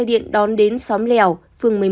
điện đón đến xóm lèo phường một mươi một